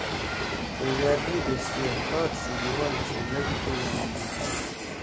ہے ڙأد می بیشتے خار سی دیوال سی ڙیدتے لھنگُودُود۔